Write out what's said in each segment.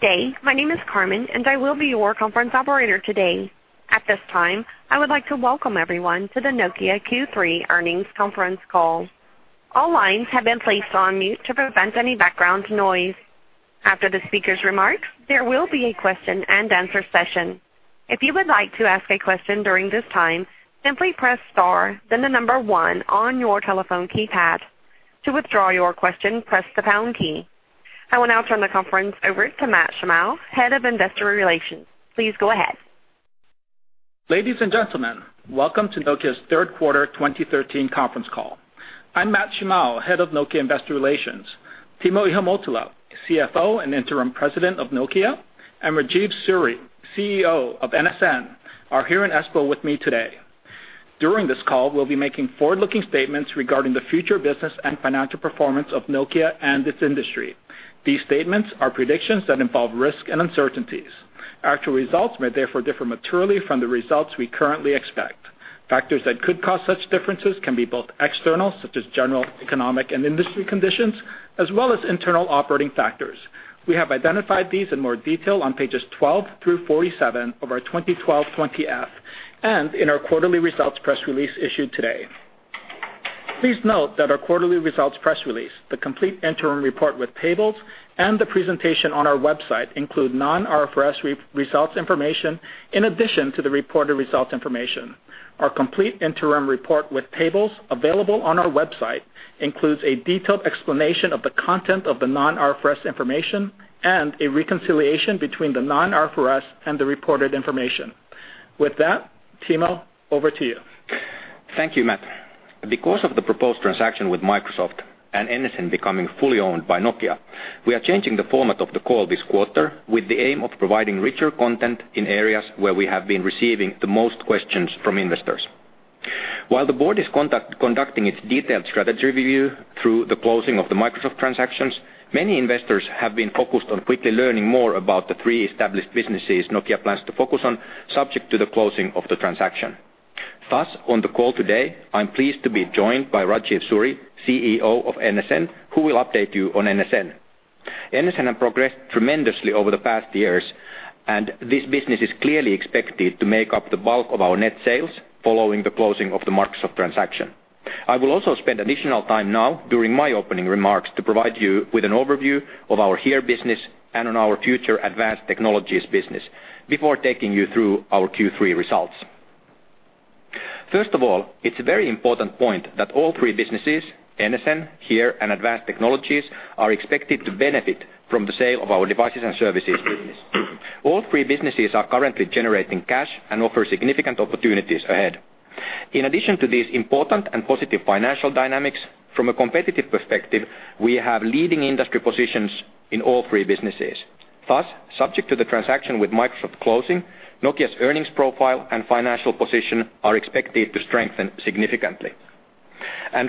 Good day, my name is Carmen and I will be your conference operator today. At this time, I would like to welcome everyone to the Nokia Q3 earnings conference call. All lines have been placed on mute to prevent any background noise. After the speaker's remarks, there will be a question-and-answer session. If you would like to ask a question during this time, simply press * then the number 1 on your telephone keypad. To withdraw your question, press the pound key. I will now turn the conference over to Matt Shimao, head of investor relations. Please go ahead. Ladies and gentlemen, welcome to Nokia's third quarter 2013 conference call. I'm Matt Shimao, Head of Nokia Investor Relations. Timo Ihamuotila, CFO and Interim President of Nokia, and Rajeev Suri, CEO of NSN, are here in Espoo with me today. During this call, we'll be making forward-looking statements regarding the future business and financial performance of Nokia and its industry. These statements are predictions that involve risk and uncertainties. Actual results may therefore differ materially from the results we currently expect. Factors that could cause such differences can be both external, such as general economic and industry conditions, as well as internal operating factors. We have identified these in more detail on pages 12 through 47 of our 20-F and in our quarterly results press release issued today. Please note that our quarterly results press release, the complete interim report with tables, and the presentation on our website include non-IFRS results information in addition to the reported results information. Our complete interim report with tables, available on our website, includes a detailed explanation of the content of the non-IFRS information and a reconciliation between the non-IFRS and the reported information. With that, Timo, over to you. Thank you, Matt. Because of the proposed transaction with Microsoft and NSN becoming fully owned by Nokia, we are changing the format of the call this quarter with the aim of providing richer content in areas where we have been receiving the most questions from investors. While the board is conducting its detailed strategy review through the closing of the Microsoft transactions, many investors have been focused on quickly learning more about the three established businesses Nokia plans to focus on subject to the closing of the transaction. Thus, on the call today, I'm pleased to be joined by Rajeev Suri, CEO of NSN, who will update you on NSN. NSN has progressed tremendously over the past years, and this business is clearly expected to make up the bulk of our net sales following the closing of the Microsoft transaction. I will also spend additional time now during my opening remarks to provide you with an overview of our HERE business and on our future Advanced Technologies business before taking you through our Q3 results. First of all, it's a very important point that all three businesses, NSN, HERE, and Advanced Technologies, are expected to benefit from the sale of our Devices and Services business. All three businesses are currently generating cash and offer significant opportunities ahead. In addition to these important and positive financial dynamics, from a competitive perspective, we have leading industry positions in all three businesses. Thus, subject to the transaction with Microsoft closing, Nokia's earnings profile and financial position are expected to strengthen significantly.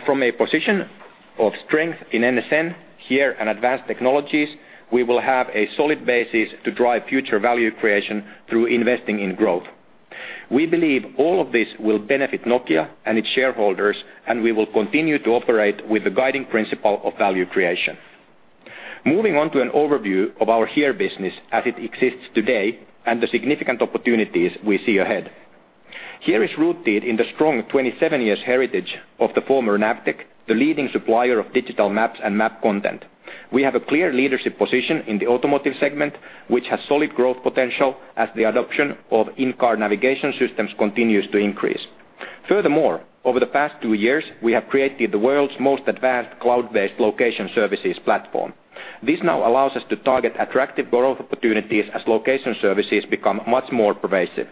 From a position of strength in NSN, HERE, and Advanced Technologies, we will have a solid basis to drive future value creation through investing in growth. We believe all of this will benefit Nokia and its shareholders, and we will continue to operate with the guiding principle of value creation. Moving on to an overview of our HERE business as it exists today and the significant opportunities we see ahead. HERE is rooted in the strong 27-year heritage of the former NAVTEQ, the leading supplier of digital maps and map content. We have a clear leadership position in the automotive segment, which has solid growth potential as the adoption of in-car navigation systems continues to increase. Furthermore, over the past 2 years, we have created the world's most advanced cloud-based location services platform. This now allows us to target attractive growth opportunities as location services become much more pervasive.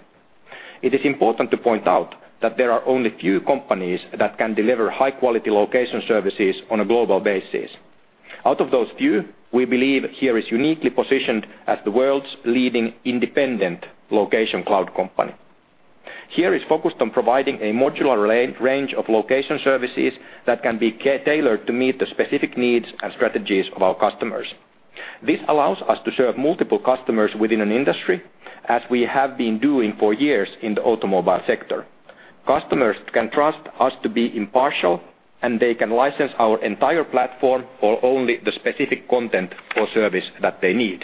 It is important to point out that there are only few companies that can deliver high-quality location services on a global basis. Out of those few, we believe HERE is uniquely positioned as the world's leading independent location cloud company. HERE is focused on providing a modular range of location services that can be tailored to meet the specific needs and strategies of our customers. This allows us to serve multiple customers within an industry, as we have been doing for years in the automobile sector. Customers can trust us to be impartial, and they can license our entire platform for only the specific content or service that they need.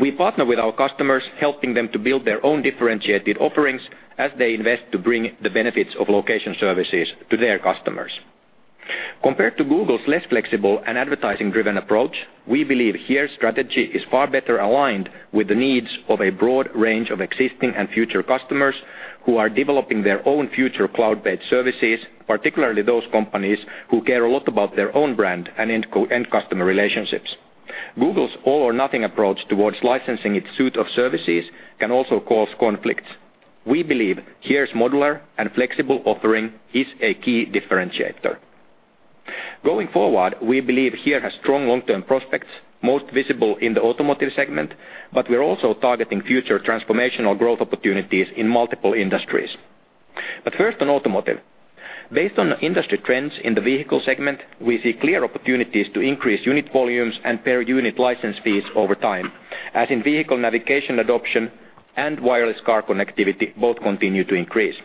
We partner with our customers, helping them to build their own differentiated offerings as they invest to bring the benefits of location services to their customers. Compared to Google's less flexible and advertising-driven approach, we believe HERE's strategy is far better aligned with the needs of a broad range of existing and future customers who are developing their own future cloud-based services, particularly those companies who care a lot about their own brand and end customer relationships. Google's all-or-nothing approach towards licensing its suite of services can also cause conflicts. We believe HERE's modular and flexible offering is a key differentiator. Going forward, we believe HERE has strong long-term prospects, most visible in the automotive segment, but we're also targeting future transformational growth opportunities in multiple industries. But first, on automotive. Based on industry trends in the vehicle segment, we see clear opportunities to increase unit volumes and per-unit license fees over time, as in vehicle navigation adoption and wireless car connectivity both continue to increase.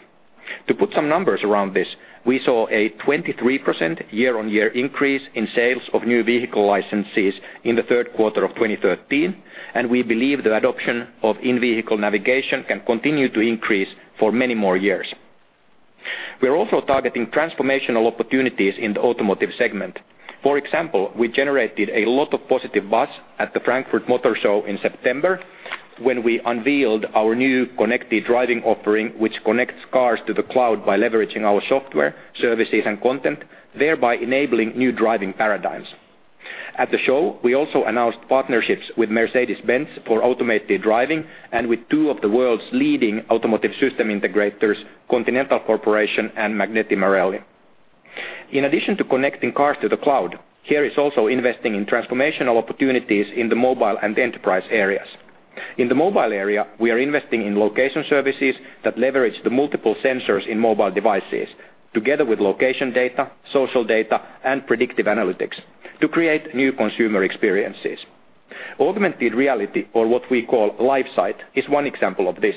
To put some numbers around this, we saw a 23% year-on-year increase in sales of new vehicle licenses in the third quarter of 2013, and we believe the adoption of in-vehicle navigation can continue to increase for many more years. We're also targeting transformational opportunities in the automotive segment. For example, we generated a lot of positive buzz at the Frankfurt Motor Show in September when we unveiled our new connected driving offering, which connects cars to the cloud by leveraging our software, services, and content, thereby enabling new driving paradigms. At the show, we also announced partnerships with Mercedes-Benz for automated driving and with two of the world's leading automotive system integrators, Continental Corporation and Magneti Marelli. In addition to connecting cars to the cloud, HERE is also investing in transformational opportunities in the mobile and enterprise areas. In the mobile area, we are investing in location services that leverage the multiple sensors in mobile devices together with location data, social data, and predictive analytics to create new consumer experiences. Augmented reality, or what we call LiveSight, is one example of this.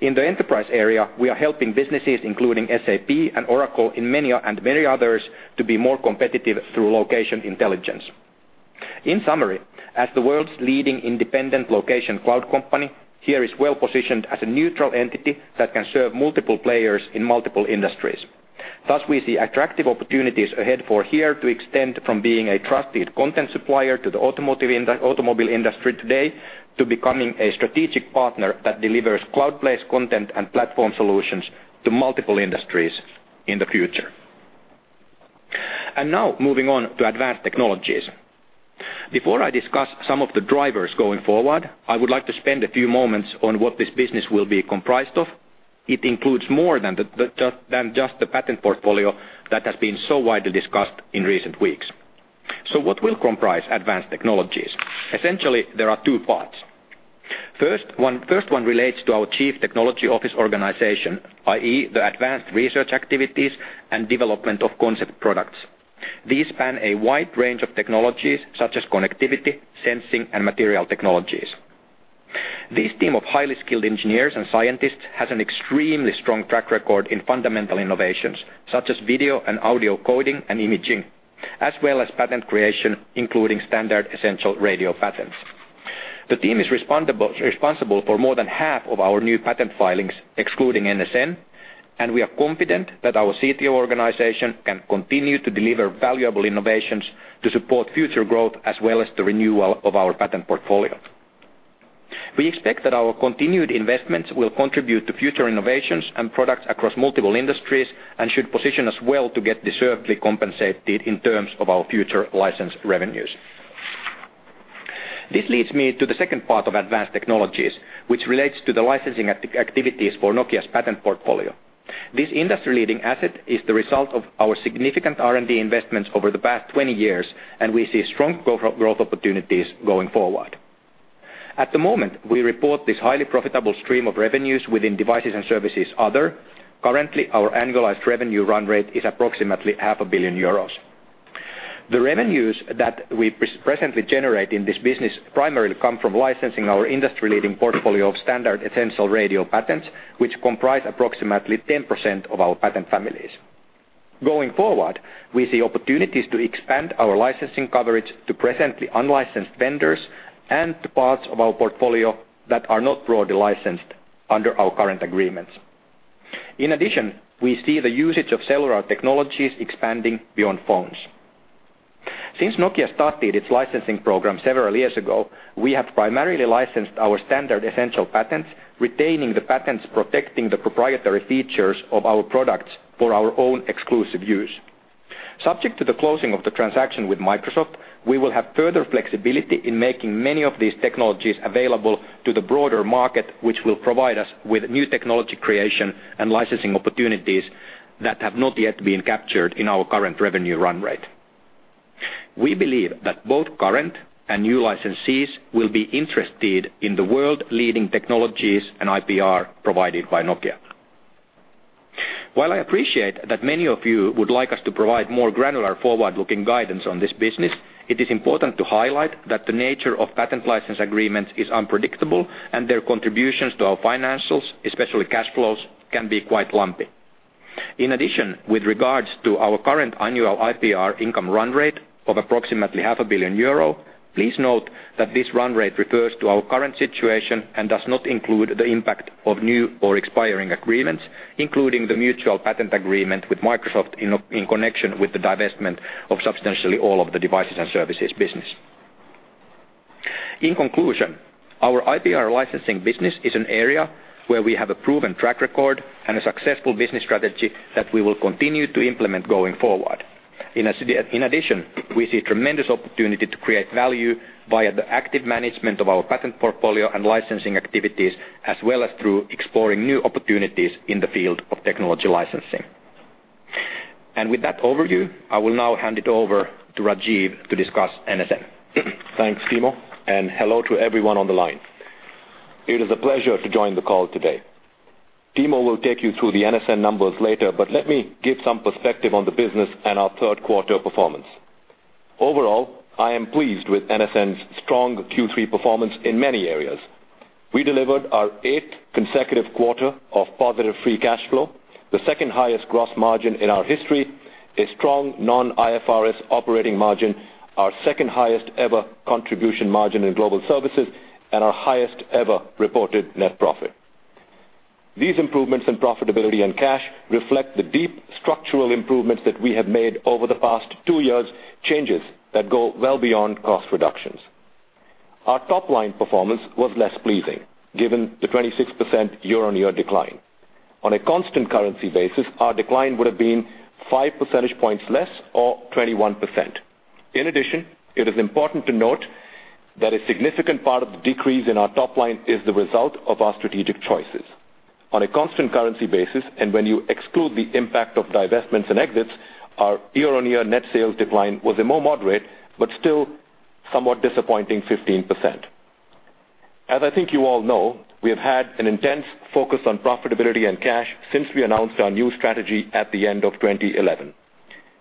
In the enterprise area, we are helping businesses including SAP and Oracle and many others to be more competitive through location intelligence. In summary, as the world's leading independent location cloud company, HERE is well positioned as a neutral entity that can serve multiple players in multiple industries. Thus, we see attractive opportunities ahead for HERE to extend from being a trusted content supplier to the automobile industry today to becoming a strategic partner that delivers cloud-based content and platform solutions to multiple industries in the future. And now moving on to advanced technologies. Before I discuss some of the drivers going forward, I would like to spend a few moments on what this business will be comprised of. It includes more than just the patent portfolio that has been so widely discussed in recent weeks. So what will comprise advanced technologies? Essentially, there are two parts. First one relates to our Chief Technology Office organization, i.e., the advanced research activities and development of concept products. These span a wide range of technologies such as connectivity, sensing, and material technologies. This team of highly skilled engineers and scientists has an extremely strong track record in fundamental innovations such as video and audio coding and imaging, as well as patent creation, including standard essential radio patents. The team is responsible for more than half of our new patent filings, excluding NSN, and we are confident that our CTO organization can continue to deliver valuable innovations to support future growth as well as the renewal of our patent portfolio. We expect that our continued investments will contribute to future innovations and products across multiple industries and should position us well to get deservedly compensated in terms of our future license revenues. This leads me to the second part of advanced technologies, which relates to the licensing activities for Nokia's patent portfolio. This industry-leading asset is the result of our significant R&D investments over the past 20 years, and we see strong growth opportunities going forward. At the moment, we report this highly profitable stream of revenues within Devices and Services Other. Currently, our annualized revenue run rate is approximately 500 million euros. The revenues that we presently generate in this business primarily come from licensing our industry-leading portfolio of standard essential radio patents, which comprise approximately 10% of our patent families. Going forward, we see opportunities to expand our licensing coverage to presently unlicensed vendors and to parts of our portfolio that are not broadly licensed under our current agreements. In addition, we see the usage of cellular technologies expanding beyond phones. Since Nokia started its licensing program several years ago, we have primarily licensed our standard essential patents, retaining the patents protecting the proprietary features of our products for our own exclusive use. Subject to the closing of the transaction with Microsoft, we will have further flexibility in making many of these technologies available to the broader market, which will provide us with new technology creation and licensing opportunities that have not yet been captured in our current revenue run rate. We believe that both current and new licensees will be interested in the world-leading technologies and IPR provided by Nokia. While I appreciate that many of you would like us to provide more granular forward-looking guidance on this business, it is important to highlight that the nature of patent license agreements is unpredictable, and their contributions to our financials, especially cash flows, can be quite lumpy. In addition, with regards to our current annual IPR income run rate of approximately 500 million euro, please note that this run rate refers to our current situation and does not include the impact of new or expiring agreements, including the mutual patent agreement with Microsoft in connection with the divestment of substantially all of the Devices and Services business. In conclusion, our IPR licensing business is an area where we have a proven track record and a successful business strategy that we will continue to implement going forward. In addition, we see tremendous opportunity to create value via the active management of our patent portfolio and licensing activities, as well as through exploring new opportunities in the field of technology licensing. With that overview, I will now hand it over to Rajeev to discuss NSN. Thanks, Timo, and hello to everyone on the line. It is a pleasure to join the call today. Timo will take you through the NSN numbers later, but let me give some perspective on the business and our third quarter performance. Overall, I am pleased with NSN's strong Q3 performance in many areas. We delivered our eighth consecutive quarter of positive free cash flow, the second highest gross margin in our history, a strong non-IFRS operating margin, our second highest ever contribution margin in global services, and our highest ever reported net profit. These improvements in profitability and cash reflect the deep structural improvements that we have made over the past two years, changes that go well beyond cost reductions. Our top-line performance was less pleasing given the 26% year-on-year decline. On a constant currency basis, our decline would have been five percentage points less or 21%. In addition, it is important to note that a significant part of the decrease in our top-line is the result of our strategic choices. On a constant currency basis, and when you exclude the impact of divestments and exits, our year-over-year net sales decline was a more moderate but still somewhat disappointing 15%. As I think you all know, we have had an intense focus on profitability and cash since we announced our new strategy at the end of 2011.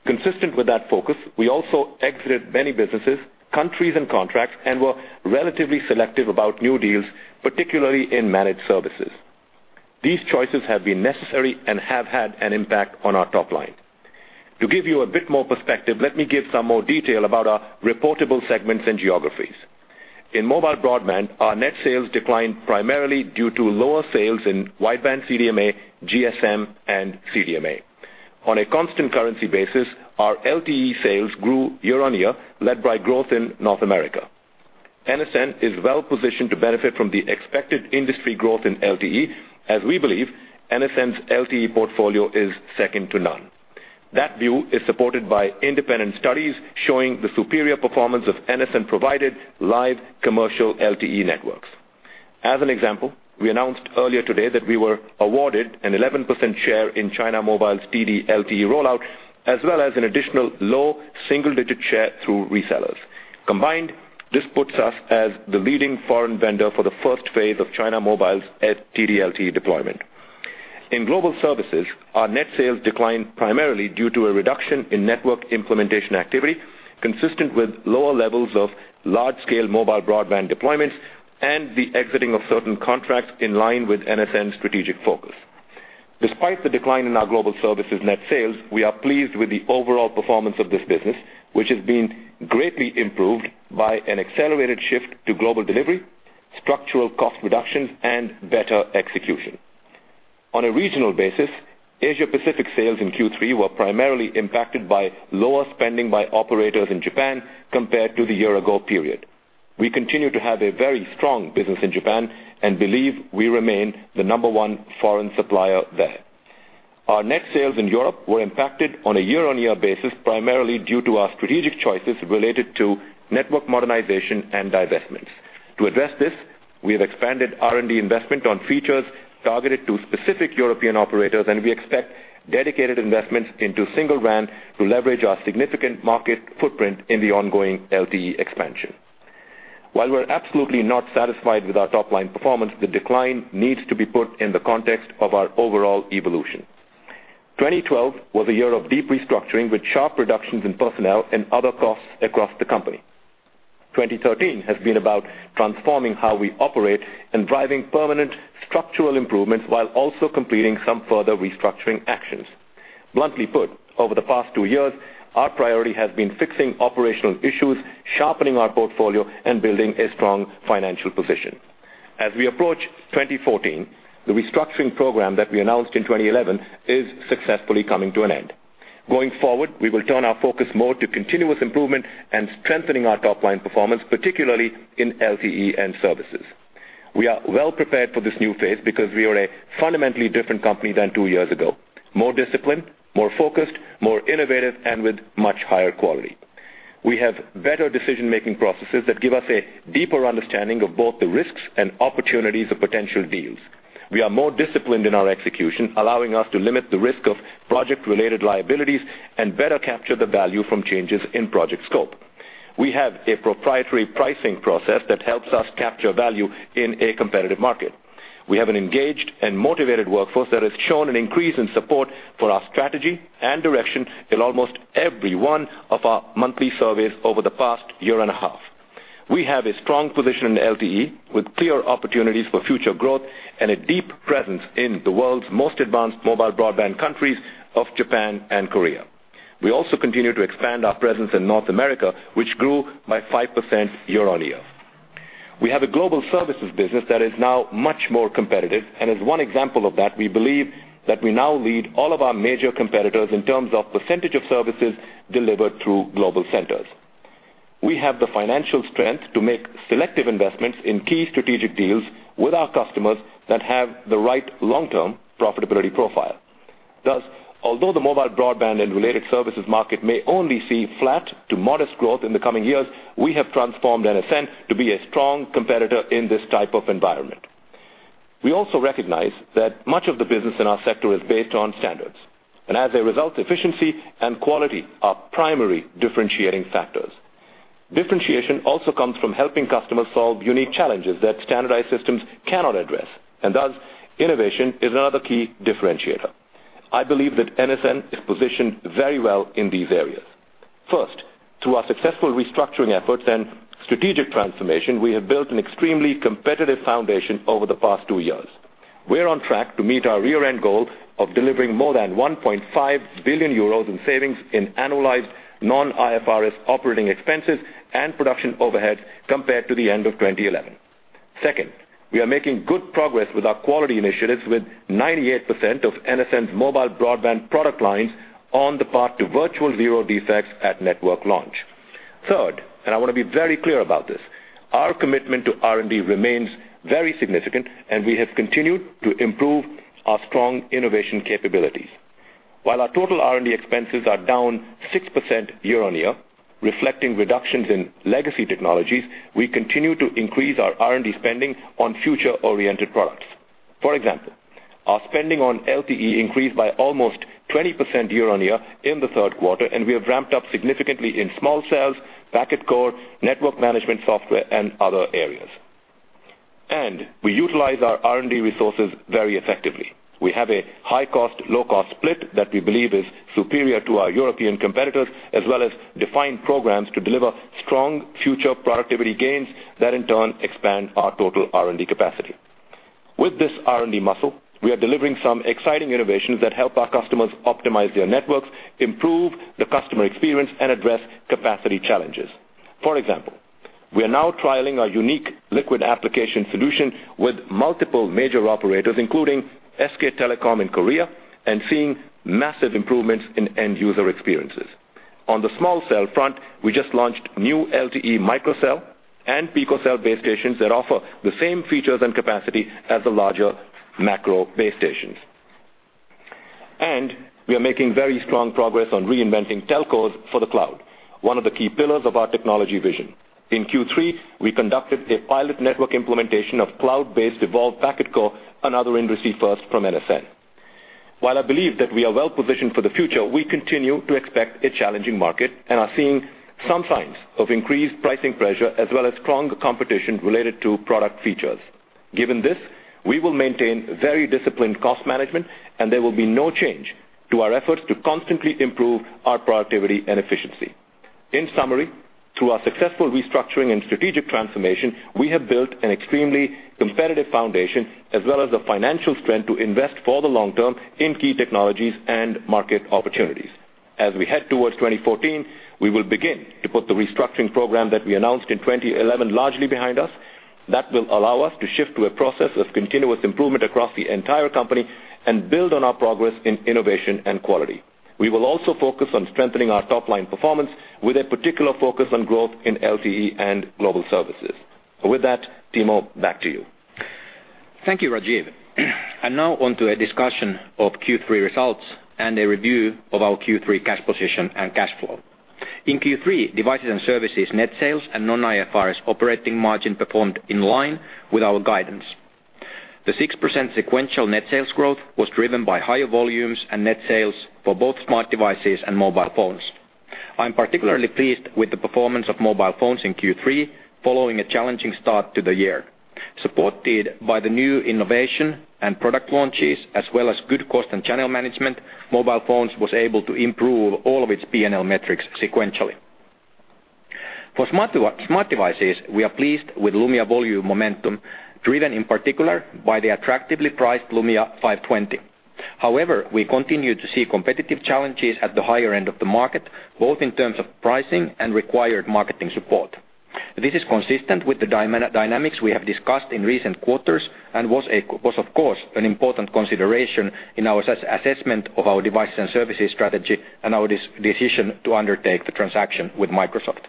Consistent with that focus, we also exited many businesses, countries, and contracts and were relatively selective about new deals, particularly in managed services. These choices have been necessary and have had an impact on our top-line. To give you a bit more perspective, let me give some more detail about our reportable segments and geographies. In mobile broadband, our net sales declined primarily due to lower sales in WCDMA, GSM, and CDMA. On a constant currency basis, our LTE sales grew year-on-year, led by growth in North America. NSN is well positioned to benefit from the expected industry growth in LTE, as we believe NSN's LTE portfolio is second to none. That view is supported by independent studies showing the superior performance of NSN-provided live commercial LTE networks. As an example, we announced earlier today that we were awarded an 11% share in China Mobile's TD-LTE rollout, as well as an additional low single-digit share through resellers. Combined, this puts us as the leading foreign vendor for the first phase of China Mobile's TD-LTE deployment. In global services, our net sales declined primarily due to a reduction in network implementation activity consistent with lower levels of large-scale mobile broadband deployments and the exiting of certain contracts in line with NSN's strategic focus. Despite the decline in our global services net sales, we are pleased with the overall performance of this business, which has been greatly improved by an accelerated shift to global delivery, structural cost reductions, and better execution. On a regional basis, Asia-Pacific sales in Q3 were primarily impacted by lower spending by operators in Japan compared to the year-ago period. We continue to have a very strong business in Japan and believe we remain the number one foreign supplier there. Our net sales in Europe were impacted on a year-on-year basis primarily due to our strategic choices related to network modernization and divestments. To address this, we have expanded R&D investment on features targeted to specific European operators, and we expect dedicated investments into Single RAN to leverage our significant market footprint in the ongoing LTE expansion. While we're absolutely not satisfied with our top-line performance, the decline needs to be put in the context of our overall evolution. 2012 was a year of deep restructuring with sharp reductions in personnel and other costs across the company. 2013 has been about transforming how we operate and driving permanent structural improvements while also completing some further restructuring actions. Bluntly put, over the past two years, our priority has been fixing operational issues, sharpening our portfolio, and building a strong financial position. As we approach 2014, the restructuring program that we announced in 2011 is successfully coming to an end. Going forward, we will turn our focus more to continuous improvement and strengthening our top-line performance, particularly in LTE and services. We are well prepared for this new phase because we are a fundamentally different company than two years ago: more disciplined, more focused, more innovative, and with much higher quality. We have better decision-making processes that give us a deeper understanding of both the risks and opportunities of potential deals. We are more disciplined in our execution, allowing us to limit the risk of project-related liabilities and better capture the value from changes in project scope. We have a proprietary pricing process that helps us capture value in a competitive market. We have an engaged and motivated workforce that has shown an increase in support for our strategy and direction in almost every one of our monthly surveys over the past year and a half. We have a strong position in LTE with clear opportunities for future growth and a deep presence in the world's most advanced mobile broadband countries of Japan and Korea. We also continue to expand our presence in North America, which grew by 5% year-over-year. We have a global services business that is now much more competitive, and as one example of that, we believe that we now lead all of our major competitors in terms of percentage of services delivered through global centers. We have the financial strength to make selective investments in key strategic deals with our customers that have the right long-term profitability profile. Thus, although the mobile broadband and related services market may only see flat to modest growth in the coming years, we have transformed NSN to be a strong competitor in this type of environment. We also recognize that much of the business in our sector is based on standards, and as a result, efficiency and quality are primary differentiating factors. Differentiation also comes from helping customers solve unique challenges that standardized systems cannot address, and thus, innovation is another key differentiator. I believe that NSN is positioned very well in these areas. First, through our successful restructuring efforts and strategic transformation, we have built an extremely competitive foundation over the past two years. We're on track to meet our year-end goal of delivering more than 1.5 billion euros in savings in annualized non-IFRS operating expenses and production overheads compared to the end of 2011. Second, we are making good progress with our quality initiatives with 98% of NSN's mobile broadband product lines on the path to virtual zero defects at network launch. Third, and I want to be very clear about this, our commitment to R&D remains very significant, and we have continued to improve our strong innovation capabilities. While our total R&D expenses are down 6% year-over-year, reflecting reductions in legacy technologies, we continue to increase our R&D spending on future-oriented products. For example, our spending on LTE increased by almost 20% year-over-year in the third quarter, and we have ramped up significantly in small cells, packet core, network management software, and other areas. We utilize our R&D resources very effectively. We have a high-cost, low-cost split that we believe is superior to our European competitors, as well as defined programs to deliver strong future productivity gains that, in turn, expand our total R&D capacity. With this R&D muscle, we are delivering some exciting innovations that help our customers optimize their networks, improve the customer experience, and address capacity challenges. For example, we are now trialing our unique Liquid Applications solution with multiple major operators, including SK Telecom in Korea, and seeing massive improvements in end-user experiences. On the small cell front, we just launched new LTE microcell and picocell base stations that offer the same features and capacity as the larger macro base stations. We are making very strong progress on reinventing telcos for the cloud, one of the key pillars of our technology vision. In Q3, we conducted a pilot network implementation of cloud-based evolved packet core, another industry first from NSN. While I believe that we are well positioned for the future, we continue to expect a challenging market and are seeing some signs of increased pricing pressure as well as strong competition related to product features. Given this, we will maintain very disciplined cost management, and there will be no change to our efforts to constantly improve our productivity and efficiency. In summary, through our successful restructuring and strategic transformation, we have built an extremely competitive foundation as well as the financial strength to invest for the long-term in key technologies and market opportunities. As we head towards 2014, we will begin to put the restructuring program that we announced in 2011 largely behind us. That will allow us to shift to a process of continuous improvement across the entire company and build on our progress in innovation and quality. We will also focus on strengthening our top-line performance with a particular focus on growth in LTE and global services. With that, Timo, back to you. Thank you, Rajeev. I now want to add a discussion of Q3 results and a review of our Q3 cash position and cash flow. In Q3, Devices and Services net sales and non-IFRS operating margin performed in line with our guidance. The 6% sequential net sales growth was driven by higher volumes and net sales for both smart devices and mobile phones. I'm particularly pleased with the performance of mobile phones in Q3 following a challenging start to the year. Supported by the new innovation and product launches, as well as good cost and channel management, mobile phones were able to improve all of its P&L metrics sequentially. For smart devices, we are pleased with Lumia volume momentum driven in particular by the attractively priced Lumia 520. However, we continue to see competitive challenges at the higher end of the market, both in terms of pricing and required marketing support. This is consistent with the dynamics we have discussed in recent quarters and was, of course, an important consideration in our assessment of our devices and services strategy and our decision to undertake the transaction with Microsoft.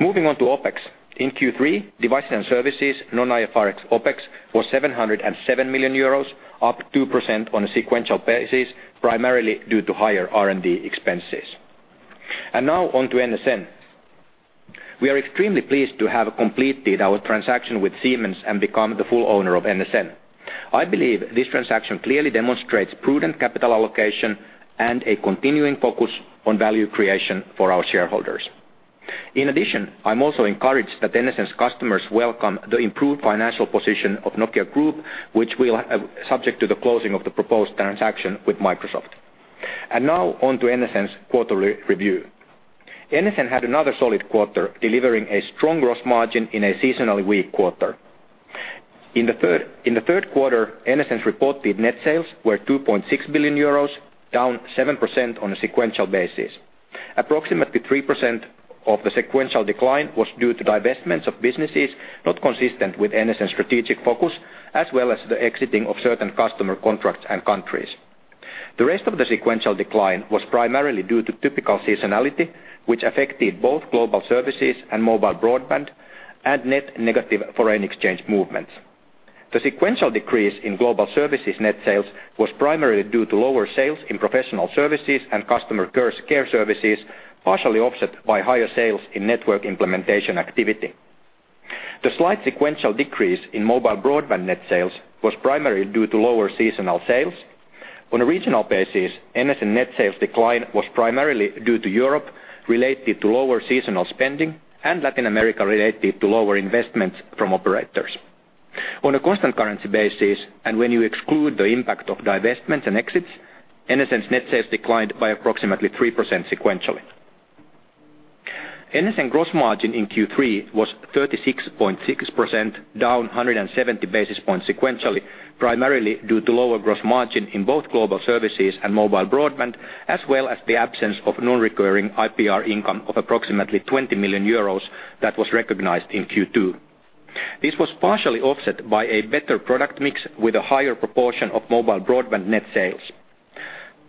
Moving on to OpEx, in Q3, devices and services non-IFRS OpEx was EUR 707 million, up 2% on a sequential basis, primarily due to higher R&D expenses. Now on to NSN. We are extremely pleased to have completed our transaction with Siemens and become the full owner of NSN. I believe this transaction clearly demonstrates prudent capital allocation and a continuing focus on value creation for our shareholders. In addition, I'm also encouraged that NSN's customers welcome the improved financial position of Nokia Group, which will be subject to the closing of the proposed transaction with Microsoft. Now on to NSN's quarterly review. NSN had another solid quarter delivering a strong gross margin in a seasonally weak quarter. In the third quarter, NSN's reported net sales were 2.6 billion euros, down 7% on a sequential basis. Approximately 3% of the sequential decline was due to divestments of businesses not consistent with NSN's strategic focus, as well as the exiting of certain customer contracts and countries. The rest of the sequential decline was primarily due to typical seasonality, which affected both global services and mobile broadband and net negative foreign exchange movements. The sequential decrease in global services net sales was primarily due to lower sales in professional services and customer care services, partially offset by higher sales in network implementation activity. The slight sequential decrease in mobile broadband net sales was primarily due to lower seasonal sales. On a regional basis, NSN net sales decline was primarily due to Europe related to lower seasonal spending and Latin America related to lower investments from operators. On a constant currency basis, and when you exclude the impact of divestments and exits, NSN's net sales declined by approximately 3% sequentially. NSN gross margin in Q3 was 36.6% down 170 basis points sequentially, primarily due to lower gross margin in both global services and mobile broadband, as well as the absence of non-recurring IPR income of approximately 20 million euros that was recognized in Q2. This was partially offset by a better product mix with a higher proportion of mobile broadband net sales.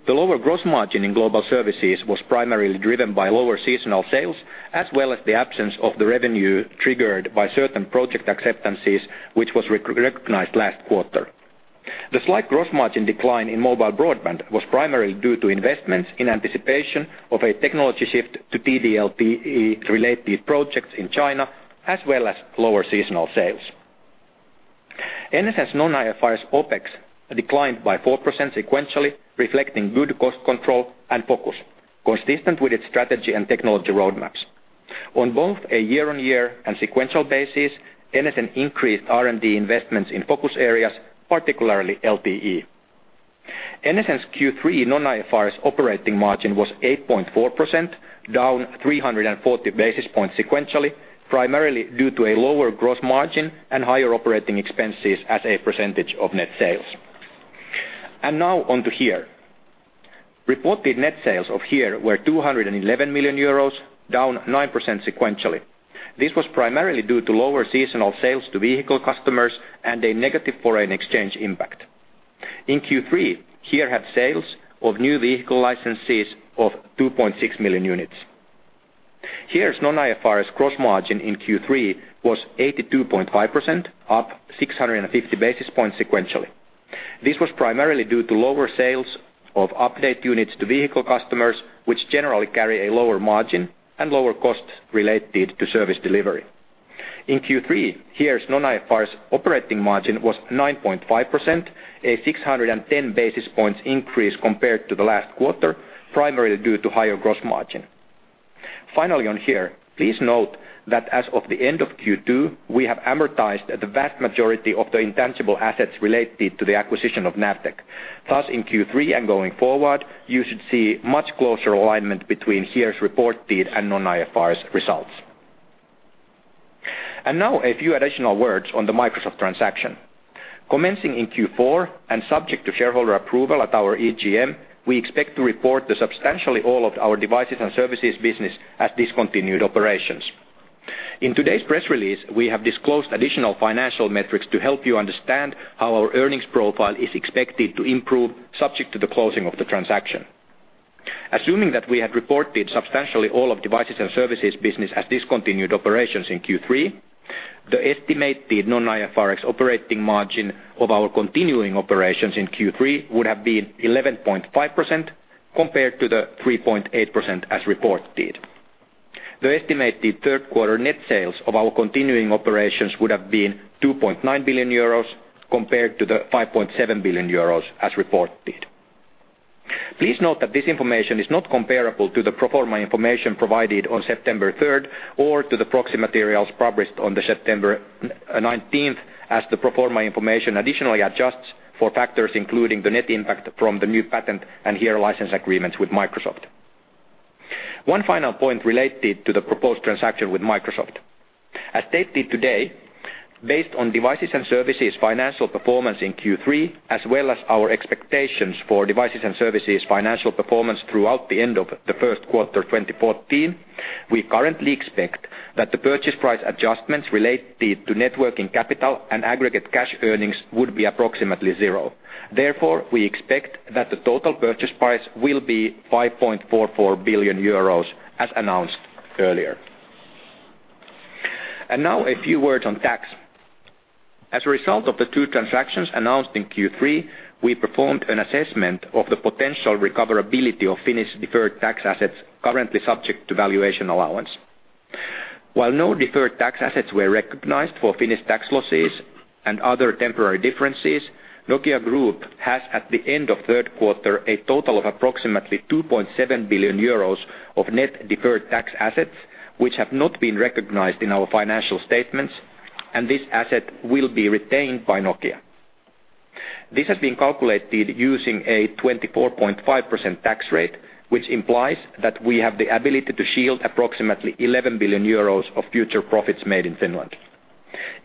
The lower gross margin in global services was primarily driven by lower seasonal sales, as well as the absence of the revenue triggered by certain project acceptances, which was recognized last quarter. The slight gross margin decline in mobile broadband was primarily due to investments in anticipation of a technology shift to TD-LTE-related projects in China, as well as lower seasonal sales. NSN's non-IFRS OPEX declined by 4% sequentially, reflecting good cost control and focus, consistent with its strategy and technology roadmaps. On both a year-on-year and sequential basis, NSN increased R&D investments in focus areas, particularly LTE. NSN's Q3 non-IFRS operating margin was 8.4% down 340 basis points sequentially, primarily due to a lower gross margin and higher operating expenses as a percentage of net sales. Now on to HERE. Reported net sales of HERE were 211 million euros, down 9% sequentially. This was primarily due to lower seasonal sales to vehicle customers and a negative foreign exchange impact. In Q3, HERE had sales of new vehicle licenses of 2.6 million units. HERE's non-IFRS gross margin in Q3 was 82.5%, up 650 basis points sequentially. This was primarily due to lower sales of update units to vehicle customers, which generally carry a lower margin and lower cost related to service delivery. In Q3, HERE's non-IFRS operating margin was 9.5%, a 610 basis points increase compared to the last quarter, primarily due to higher gross margin. Finally, on HERE, please note that as of the end of Q2, we have amortized the vast majority of the intangible assets related to the acquisition of NAVTEQ. Thus, in Q3 and going forward, you should see much closer alignment between HERE's reported and non-IFRS results. And now a few additional words on the Microsoft transaction. Commencing in Q4 and subject to shareholder approval at our EGM, we expect to report substantially all of our devices and services business as discontinued operations. In today's press release, we have disclosed additional financial metrics to help you understand how our earnings profile is expected to improve subject to the closing of the transaction. Assuming that we had reported substantially all of Devices and Services business as discontinued operations in Q3, the estimated Non-IFRS operating margin of our continuing operations in Q3 would have been 11.5% compared to the 3.8% as reported. The estimated third quarter net sales of our continuing operations would have been 2.9 billion euros compared to the 5.7 billion euros as reported. Please note that this information is not comparable to the pro forma information provided on September 3rd or to the proxy materials published on September 19th, as the pro forma information additionally adjusts for factors including the net impact from the new patent and HERE license agreements with Microsoft. One final point related to the proposed transaction with Microsoft. As stated today, based on devices and services financial performance in Q3, as well as our expectations for devices and services financial performance throughout the end of the first quarter 2014, we currently expect that the purchase price adjustments related to net working capital and aggregate cash earnings would be approximately zero. Therefore, we expect that the total purchase price will be 5.44 billion euros as announced earlier. And now a few words on tax. As a result of the two transactions announced in Q3, we performed an assessment of the potential recoverability of Finnish deferred tax assets currently subject to valuation allowance. While no deferred tax assets were recognized for Finnish tax losses and other temporary differences, Nokia Group has at the end of third quarter a total of approximately 2.7 billion euros of net deferred tax assets, which have not been recognized in our financial statements, and this asset will be retained by Nokia. This has been calculated using a 24.5% tax rate, which implies that we have the ability to shield approximately 11 billion euros of future profits made in Finland.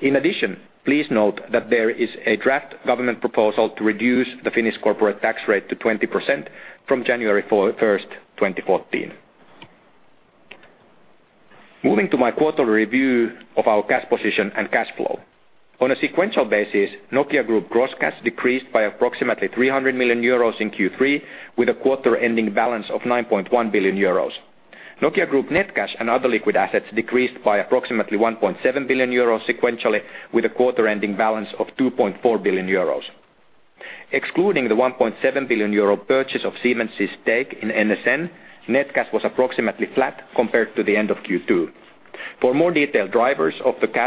In addition, please note that there is a draft government proposal to reduce the Finnish corporate tax rate to 20% from January 1st, 2014. Moving to my quarterly review of our cash position and cash flow. On a sequential basis, Nokia Group gross cash decreased by approximately 300 million euros in Q3, with a quarter ending balance of 9.1 billion euros. Nokia Group net cash and other liquid assets decreased by approximately 1.7 billion euros sequentially, with a quarter-ending balance of 2.4 billion euros. Excluding the 1.7 billion euro purchase of Siemens' stake in NSN, net cash was approximately flat compared to the end of Q2. For more detailed drivers of the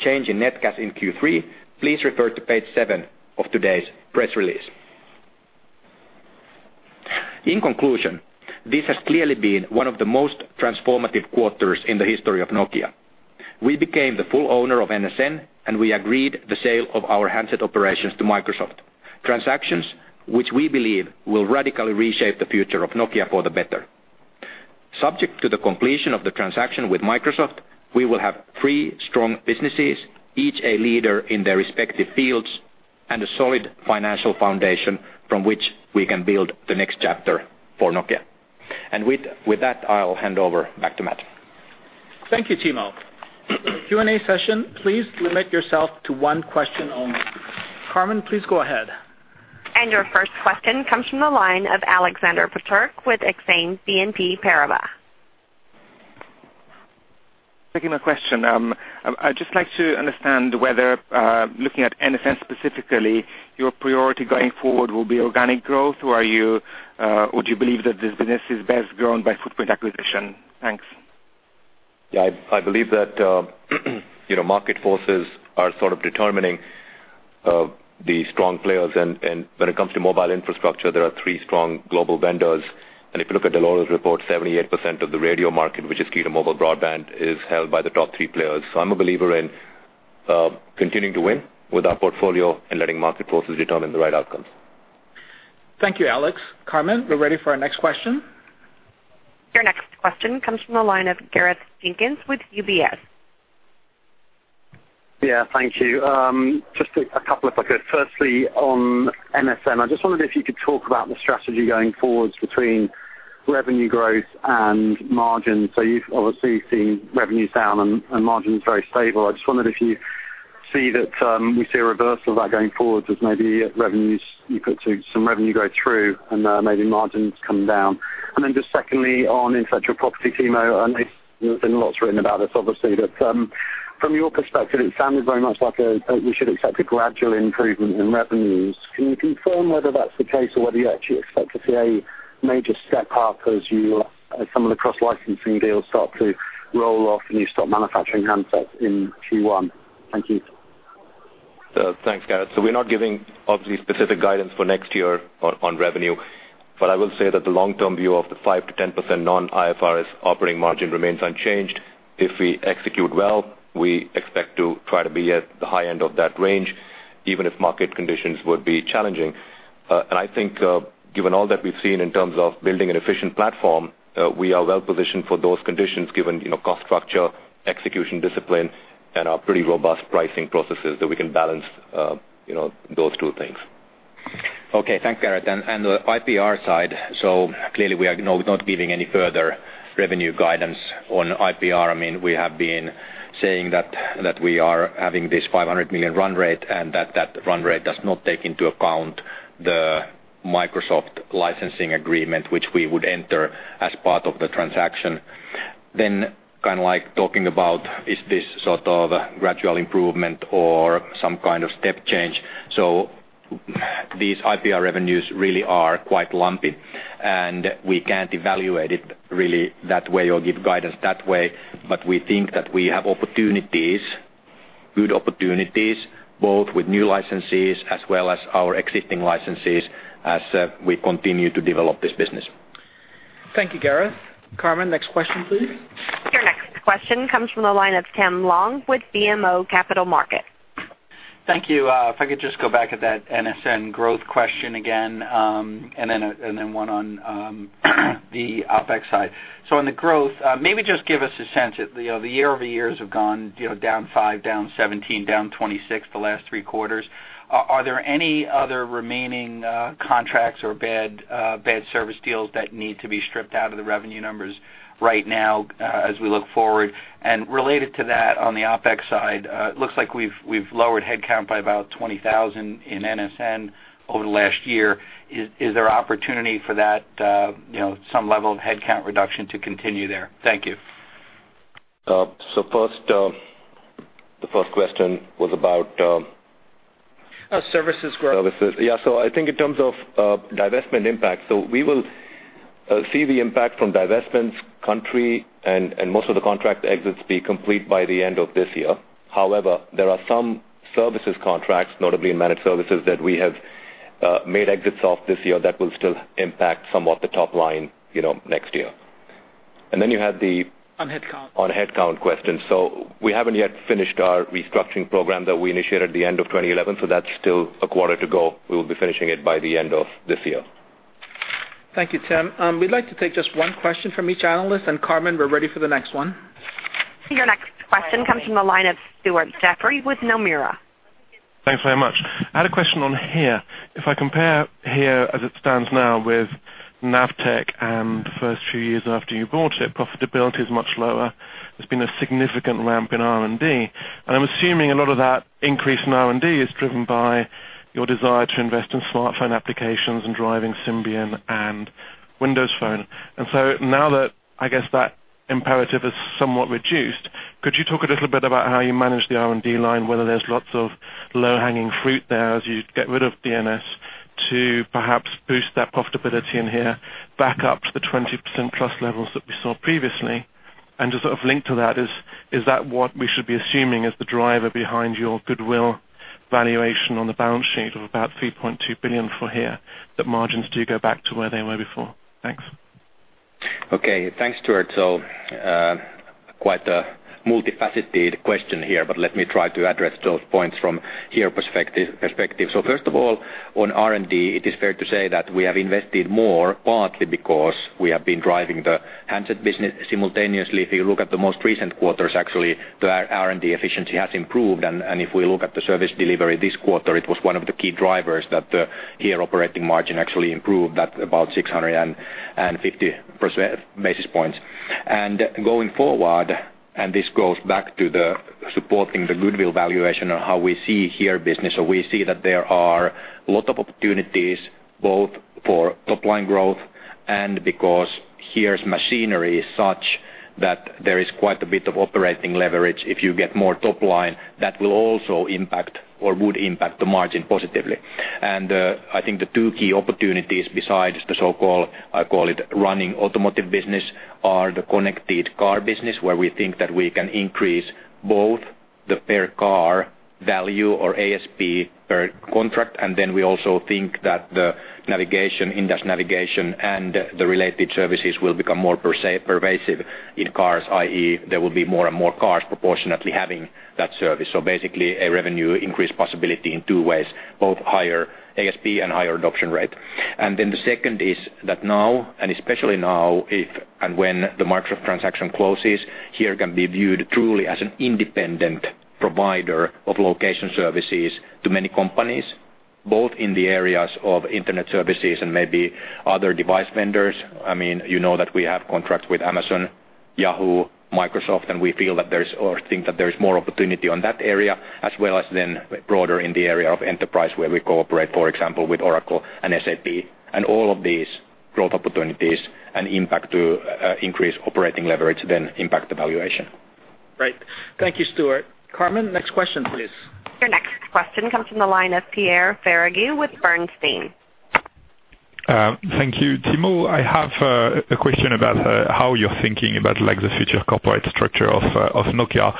change in net cash in Q3, please refer to page 7 of today's press release. In conclusion, this has clearly been one of the most transformative quarters in the history of Nokia. We became the full owner of NSN, and we agreed the sale of our handset operations to Microsoft, transactions which we believe will radically reshape the future of Nokia for the better. Subject to the completion of the transaction with Microsoft, we will have three strong businesses, each a leader in their respective fields, and a solid financial foundation from which we can build the next chapter for Nokia. With that, I'll hand over back to Matt. Thank you, Timo. Q&A session. Please limit yourself to one question only. Carmen, please go ahead. Your first question comes from the line of Alexander Peterc with Exane BNP Paribas. Thank you for my question. I'd just like to understand whether, looking at NSN specifically, your priority going forward will be organic growth, or would you believe that this business is best grown by footprint acquisition? Thanks. Yeah, I believe that market forces are sort of determining the strong players. When it comes to mobile infrastructure, there are three strong global vendors. If you look at Dell'Oro's report, 78% of the radio market, which is key to mobile broadband, is held by the top three players. So I'm a believer in continuing to win with our portfolio and letting market forces determine the right outcomes. Thank you, Alex. Carmen, we're ready for our next question. Your next question comes from the line of Gareth Jenkins with UBS. Yeah, thank you. Just a couple of quick questions. Firstly, on NSN, I just wondered if you could talk about the strategy going forwards between revenue growth and margins. So you've obviously seen revenues down and margins very stable. I just wondered if you see that we see a reversal of that going forwards as maybe you put some revenue growth through and maybe margins come down. And then just secondly, on intellectual property, Timo, there's been lots written about this, obviously, but from your perspective, it sounded very much like we should expect a gradual improvement in revenues. Can you confirm whether that's the case or whether you actually expect to see a major step up as some of the cross-licensing deals start to roll off and you stop manufacturing handsets in Q1? Thank you. Thanks, Gareth. So we're not giving, obviously, specific guidance for next year on revenue, but I will say that the long-term view of the 5%-10% non-IFRS operating margin remains unchanged. If we execute well, we expect to try to be at the high end of that range, even if market conditions would be challenging. And I think given all that we've seen in terms of building an efficient platform, we are well positioned for those conditions given cost structure, execution discipline, and our pretty robust pricing processes that we can balance those two things. Okay, thanks, Gareth. And the IPR side, so clearly we are not giving any further revenue guidance on IPR. I mean, we have been saying that we are having this 500 million run rate and that that run rate does not take into account the Microsoft licensing agreement, which we would enter as part of the transaction. Then kind of like talking about, is this sort of gradual improvement or some kind of step change? So these IPR revenues really are quite lumpy, and we can't evaluate it really that way or give guidance that way, but we think that we have opportunities, good opportunities, both with new licenses as well as our existing licenses as we continue to develop this business. Thank you, Gareth. Carmen, next question, please. Your next question comes from the line of Tim Long with BMO Capital Markets. Thank you. If I could just go back at that NSN growth question again and then one on the OpEx side. So on the growth, maybe just give us a sense. The year-over-year [growth rates] have gone down 5%, down 17%, down 26% the last three quarters. Are there any other remaining contracts or bad service deals that need to be stripped out of the revenue numbers right now as we look forward? And related to that, on the OpEx side, it looks like we've lowered headcount by about 20,000 in NSN over the last year. Is there opportunity for that, some level of headcount reduction to continue there? Thank you. The first question was about. Services. Services. Yeah, so I think in terms of divestment impact, so we will see the impact from divestments country and most of the contract exits be complete by the end of this year. However, there are some services contracts, notably in managed services, that we have made exits of this year that will still impact somewhat the top line next year. And then you had the. On headcount. On headcount question. So we haven't yet finished our restructuring program that we initiated at the end of 2011, so that's still a quarter to go. We will be finishing it by the end of this year. Thank you, Tim. We'd like to take just one question from each analyst, and Carmen, we're ready for the next one. Your next question comes from the line of Stuart Jeffrey with Nomura. Thanks very much. I had a question on HERE. If I compare HERE as it stands now with NAVTEQ and the first few years after you bought it, profitability is much lower. There's been a significant ramp in R&D, and I'm assuming a lot of that increase in R&D is driven by your desire to invest in smartphone applications and driving Symbian and Windows Phone. And so now that, I guess, that imperative is somewhat reduced, could you talk a little bit about how you manage the R&D line, whether there's lots of low-hanging fruit there as you get rid of NSN to perhaps boost that profitability in HERE, back up to the 20%-plus levels that we saw previously? To sort of link to that, is that what we should be assuming is the driver behind your goodwill valuation on the balance sheet of about 3.2 billion for HERE, that margins do go back to where they were before? Thanks. Okay, thanks, Stuart. So quite a multifaceted question here, but let me try to address those points from HERE perspective. So first of all, on R&D, it is fair to say that we have invested more partly because we have been driving the handset business simultaneously. If you look at the most recent quarters, actually, the R&D efficiency has improved. And if we look at the service delivery this quarter, it was one of the key drivers that the HERE operating margin actually improved that about 650 basis points. And going forward, and this goes back to supporting the goodwill valuation and how we see HERE business, so we see that there are a lot of opportunities both for top line growth and because HERE's machinery is such that there is quite a bit of operating leverage. If you get more top line, that will also impact or would impact the margin positively. I think the two key opportunities besides the so-called, I call it running automotive business, are the connected car business where we think that we can increase both the per car value or ASP per contract. Then we also think that the industry navigation and the related services will become more pervasive in cars, i.e., there will be more and more cars proportionately having that service. So basically, a revenue increase possibility in two ways, both higher ASP and higher adoption rate. Then the second is that now, and especially now if and when the Microsoft transaction closes, HERE can be viewed truly as an independent provider of location services to many companies, both in the areas of internet services and maybe other device vendors. I mean, you know that we have contracts with Amazon, Yahoo, Microsoft, and we feel that there is or think that there is more opportunity on that area as well as then broader in the area of enterprise where we cooperate, for example, with Oracle and SAP. All of these growth opportunities and impact to increase operating leverage then impact the valuation. Great. Thank you, Stuart. Carmen, next question, please. Your next question comes from the line of Pierre Ferragu with Bernstein. Thank you, Timo. I have a question about how you're thinking about the future corporate structure of Nokia.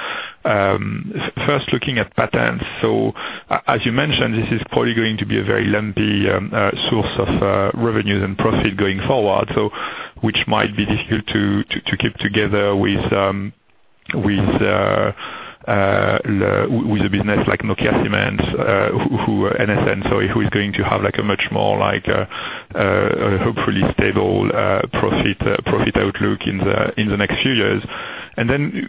First, looking at patents. So as you mentioned, this is probably going to be a very lumpy source of revenues and profit going forward, which might be difficult to keep together with a business like Nokia Siemens, NSN, so who is going to have a much more, hopefully, stable profit outlook in the next few years. And then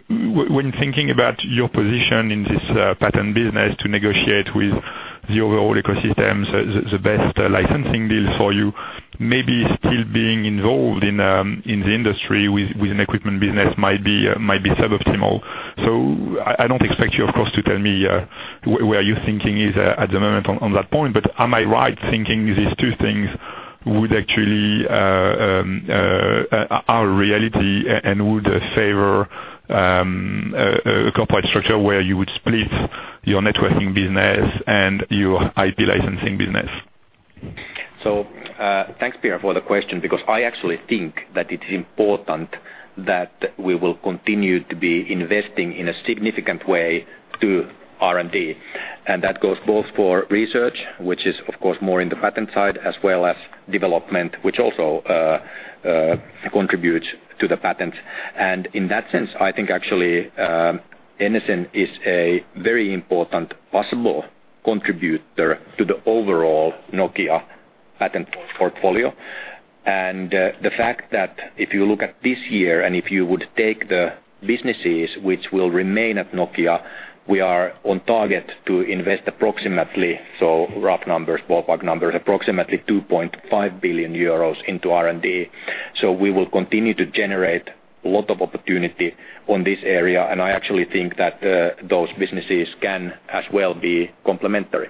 when thinking about your position in this patent business to negotiate with the overall ecosystem, the best licensing deal for you, maybe still being involved in the industry with an equipment business might be suboptimal. So, I don't expect you, of course, to tell me where your thinking is at the moment on that point, but am I right thinking these two things would actually are reality and would favor a corporate structure where you would split your networking business and your IP licensing business? So thanks, Pierre, for the question because I actually think that it is important that we will continue to be investing in a significant way to R&D. And that goes both for research, which is, of course, more in the patent side, as well as development, which also contributes to the patents. And in that sense, I think actually NSN is a very important possible contributor to the overall Nokia patent portfolio. And the fact that if you look at this year and if you would take the businesses which will remain at Nokia, we are on target to invest approximately, so rough numbers, ballpark numbers, approximately 2.5 billion euros into R&D. So we will continue to generate a lot of opportunity on this area, and I actually think that those businesses can as well be complementary.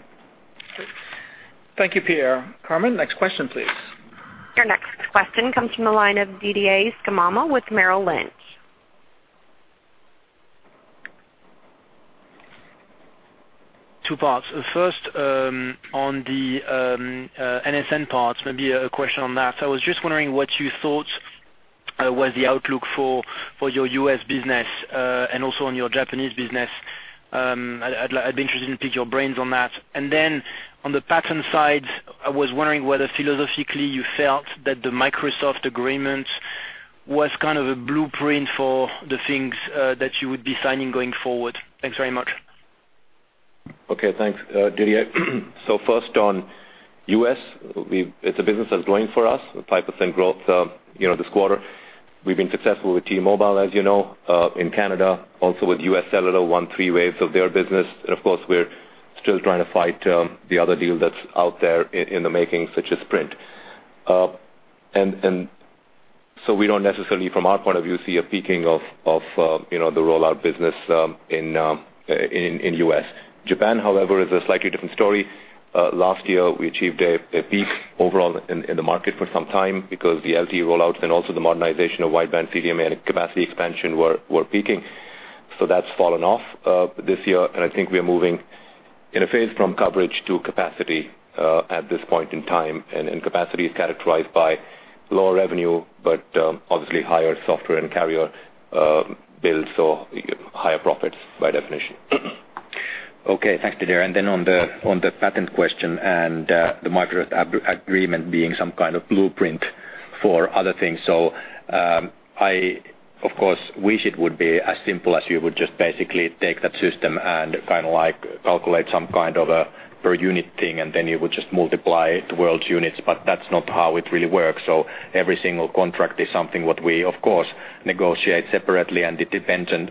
Thank you, Pierre. Carmen, next question, please. Your next question comes from the line of Didier Scemama with Merrill Lynch. Two parts. First, on the NSN parts, maybe a question on that. I was just wondering what you thought was the outlook for your U.S. business and also on your Japanese business. I'd be interested in picking your brains on that. And then on the patent side, I was wondering whether philosophically you felt that the Microsoft agreement was kind of a blueprint for the things that you would be signing going forward. Thanks very much. Okay, thanks, Didier. So first, on U.S., it's a business that's growing for us, 5% growth this quarter. We've been successful with T-Mobile, as you know, in Canada, also with U.S. Cellular, won three waves of their business. And of course, we're still trying to fight the other deal that's out there in the making, such as Sprint. And so we don't necessarily, from our point of view, see a peaking of the rollout business in U.S. Japan, however, is a slightly different story. Last year, we achieved a peak overall in the market for some time because the LTE rollouts and also the modernization of Wideband CDMA and capacity expansion were peaking. So that's fallen off this year, and I think we are moving in a phase from coverage to capacity at this point in time. Capacity is characterized by lower revenue, but obviously higher software and carrier bills, so higher profits by definition. Okay, thanks, Didier. And then on the patent question and the Microsoft agreement being some kind of blueprint for other things, so of course, wish it would be as simple as you would just basically take that system and kind of like calculate some kind of a per unit thing, and then you would just multiply the world's units, but that's not how it really works. So every single contract is something what we, of course, negotiate separately, and it depends on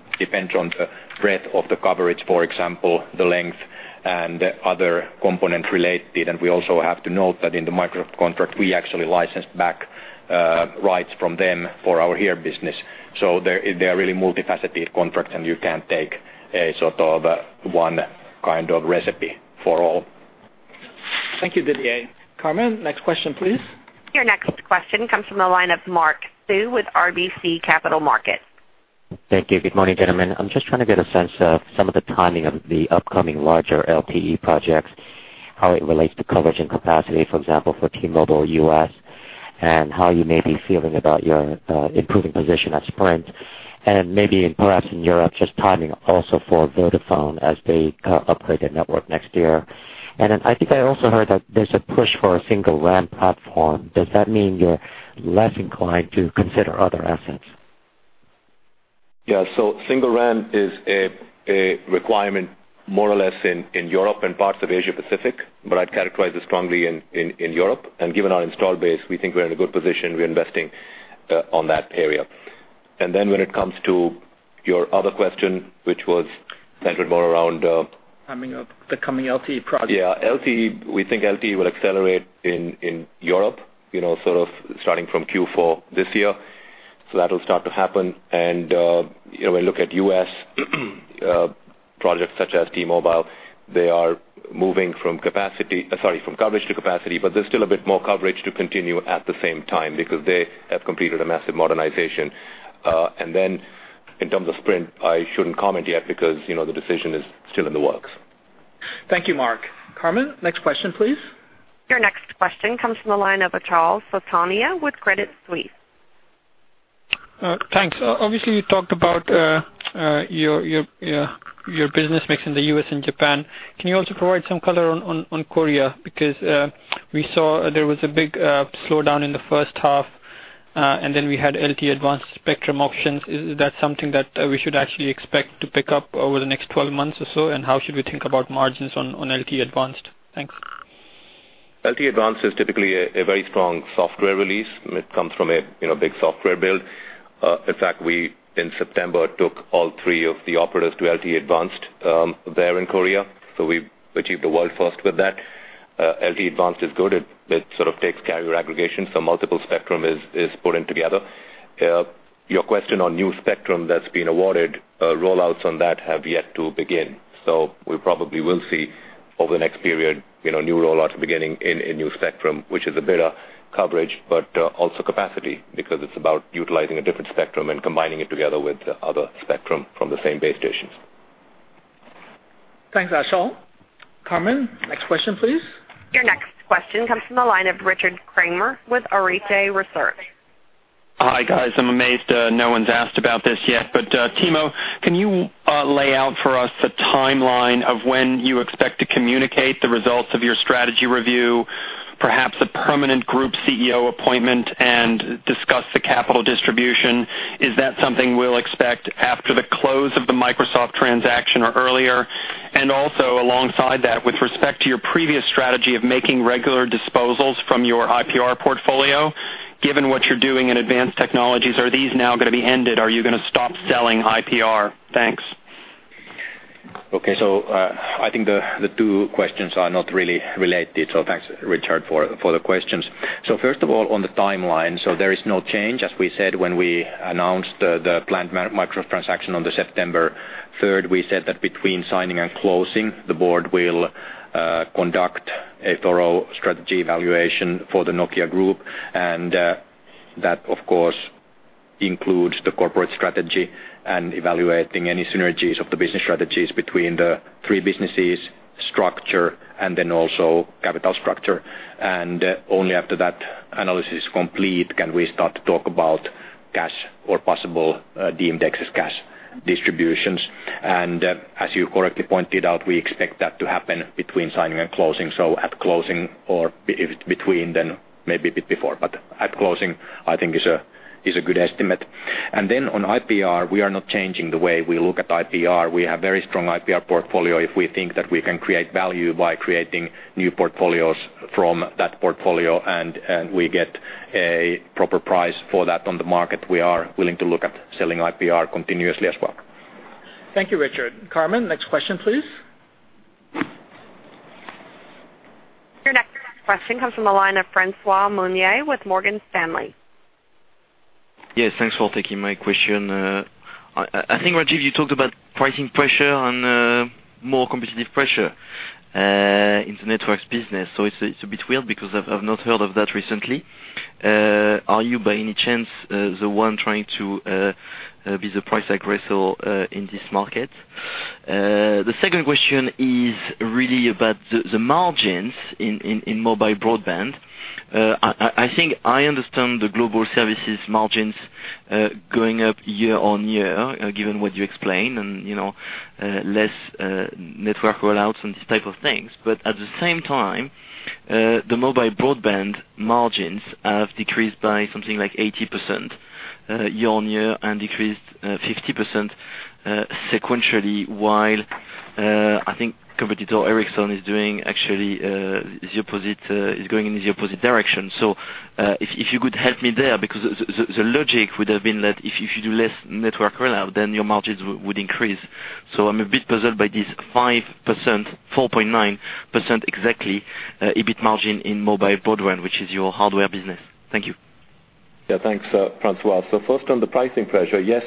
the breadth of the coverage, for example, the length, and other component-related. And we also have to note that in the Microsoft contract, we actually license back rights from them for our HERE business. So they are really multifaceted contracts, and you can't take a sort of one kind of recipe for all. Thank you, Didier. Carmen, next question, please. Your next question comes from the line of Mark Sue with RBC Capital Markets. Thank you. Good morning, gentlemen. I'm just trying to get a sense of some of the timing of the upcoming larger LTE projects, how it relates to coverage and capacity, for example, for T-Mobile US, and how you may be feeling about your improving position at Sprint. Maybe perhaps in Europe, just timing also for Vodafone as they upgrade their network next year. Then I think I also heard that there's a push for a single RAN platform. Does that mean you're less inclined to consider other assets? Yeah, so Single RAN is a requirement more or less in Europe and parts of Asia-Pacific, but I'd characterize it strongly in Europe. And given our install base, we think we're in a good position. We're investing on that area. And then when it comes to your other question, which was centered more around. Coming up, the coming LTE project. Yeah, we think LTE will accelerate in Europe, sort of starting from Q4 this year. So that will start to happen. And when you look at U.S. projects such as T-Mobile, they are moving from capacity sorry, from coverage to capacity, but there's still a bit more coverage to continue at the same time because they have completed a massive modernization. And then in terms of Sprint, I shouldn't comment yet because the decision is still in the works. Thank you, Mark. Carmen, next question, please. Your next question comes from the line of Achal Sultania with Credit Suisse. Thanks. Obviously, you talked about your business mix in the U.S. and Japan. Can you also provide some color on Korea because we saw there was a big slowdown in the first half, and then we had LTE-Advanced spectrum options? Is that something that we should actually expect to pick up over the next 12 months or so, and how should we think about margins on LTE-Advanced? Thanks. LTE-Advanced is typically a very strong software release. It comes from a big software build. In fact, we in September took all three of the operators to LTE-Advanced there in Korea, so we've achieved the world first with that. LTE-Advanced is good. It sort of takes carrier aggregation, so multiple spectrum is put in together. Your question on new spectrum that's been awarded, rollouts on that have yet to begin. So we probably will see over the next period new rollouts beginning in new spectrum, which is a bit of coverage but also capacity because it's about utilizing a different spectrum and combining it together with other spectrum from the same base stations. Thanks, Achal. Carmen, next question, please. Your next question comes from the line of Richard Kramer with Arete Research. Hi, guys. I'm amazed no one's asked about this yet, but Timo, can you lay out for us the timeline of when you expect to communicate the results of your strategy review, perhaps a permanent group CEO appointment, and discuss the capital distribution? Is that something we'll expect after the close of the Microsoft transaction or earlier? And also alongside that, with respect to your previous strategy of making regular disposals from your IPR portfolio, given what you're doing in advanced technologies, are these now going to be ended? Are you going to stop selling IPR? Thanks. Okay, so I think the two questions are not really related, so thanks, Richard, for the questions. So first of all, on the timeline, so there is no change. As we said when we announced the planned Microsoft transaction on September 3rd, we said that between signing and closing, the board will conduct a thorough strategy evaluation for the Nokia Group, and that, of course, includes the corporate strategy and evaluating any synergies of the business strategies between the three businesses, structure, and then also capital structure. And only after that analysis is complete can we start to talk about cash or possible DMDEX cash distributions. And as you correctly pointed out, we expect that to happen between signing and closing. So at closing, or if it's between, then maybe a bit before, but at closing, I think is a good estimate. And then on IPR, we are not changing the way we look at IPR. We have a very strong IPR portfolio. If we think that we can create value by creating new portfolios from that portfolio and we get a proper price for that on the market, we are willing to look at selling IPR continuously as well. Thank you, Richard. Carmen, next question, please. Your next question comes from the line of François Meunier with Morgan Stanley. Yes, thanks for taking my question. I think, Rajeev, you talked about pricing pressure and more competitive pressure in the networks business, so it's a bit weird because I've not heard of that recently. Are you, by any chance, the one trying to be the price aggressor in this market? The second question is really about the margins in mobile broadband. I think I understand the global services margins going up year-on-year, given what you explain, and less network rollouts and these type of things. But at the same time, the mobile broadband margins have decreased by something like 80% year-on-year and decreased 50% sequentially, while I think competitor Ericsson is doing actually the opposite is going in the opposite direction. So if you could help me there because the logic would have been that if you do less network rollout, then your margins would increase. So I'm a bit puzzled by this 5%, 4.9% exactly EBIT margin in mobile broadband, which is your hardware business. Thank you. Yeah, thanks, François. So first, on the pricing pressure, yes,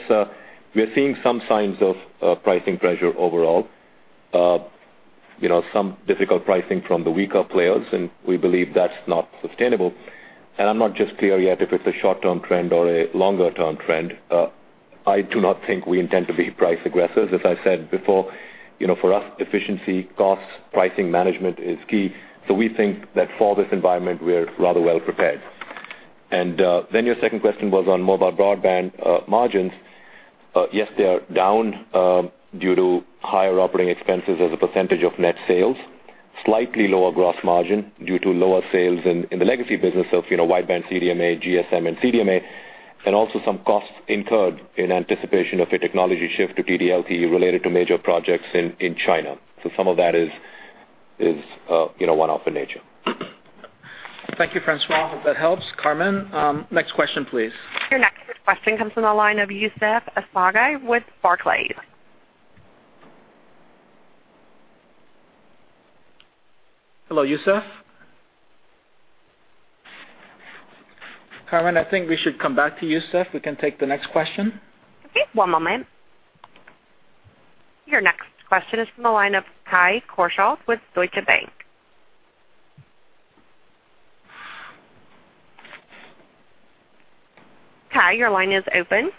we are seeing some signs of pricing pressure overall, some difficult pricing from the weaker players, and we believe that's not sustainable. And I'm not just clear yet if it's a short-term trend or a longer-term trend. I do not think we intend to be price aggressors. As I said before, for us, efficiency, cost, pricing management is key. So we think that for this environment, we're rather well prepared. And then your second question was on mobile broadband margins. Yes, they are down due to higher operating expenses as a percentage of net sales, slightly lower gross margin due to lower sales in the legacy business of wideband CDMA, GSM, and CDMA, and also some costs incurred in anticipation of a technology shift to TD-LTE related to major projects in China. So some of that is one-off in nature. Thank you, François. Hope that helps. Carmen, next question, please. Your next question comes from the line of Yusuf Zaki with Barclays. Hello, Yusuf. Carmen, I think we should come back to Yusuf. We can take the next question. Okay, one moment. Your next question is from the line of Kai Korschelt with Deutsche Bank. Kai, your line is open.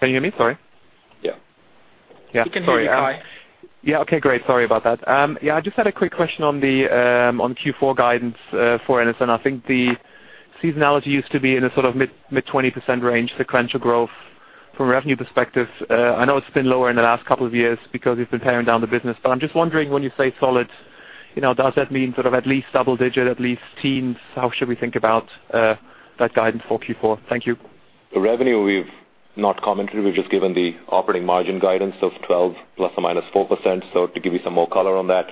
Can you hear me? Sorry. Yeah. Yeah, sorry, Kai. Yeah, okay, great. Sorry about that. Yeah, I just had a quick question on the Q4 guidance for NSN. I think the seasonality used to be in a sort of mid-20% range, sequential growth from revenue perspective. I know it's been lower in the last couple of years because you've been paring down the business, but I'm just wondering, when you say solid, does that mean sort of at least double-digit, at least teens? How should we think about that guidance for Q4? Thank you. The revenue, we've not commented. We've just given the operating margin guidance of 12 ± 4%. To give you some more color on that,